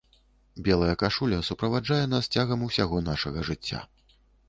Белая кашуля суправаджае нас цягам усяго нашага жыцця.